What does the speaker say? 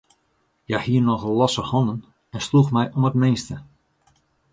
Hja hie nochal losse hannen en sloech my om it minste.